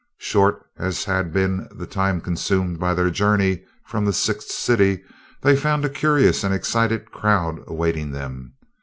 Short as had been the time consumed by their journey from the Sixth City, they found a curious and excited crowd awaiting them.